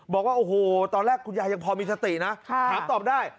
บอกว่าโอ้โหตอนแรกคุณยายยังพอมีสตินะถามตอบได้